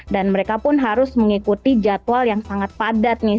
dan mereka pun harus mengikuti jadwal yang sangat padat nih